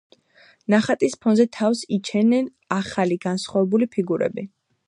ნახატის ფონზე თავს იჩენენ ახალი, განსხვავებული ფიგურები.